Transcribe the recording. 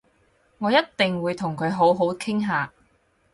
我一定會同佢好好傾下